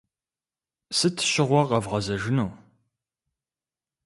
Сыт щыгъуэ къэвгъэзэжыну?